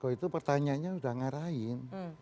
itu pertanyaannya sudah ngarahin